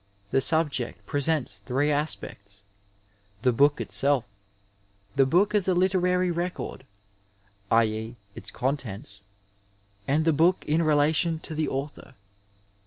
The subject presents three aspects, the book itself, the book as a literary record, i.e., its contents, and the book in relation to the author.